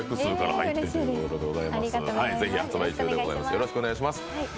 よろしくお願いします。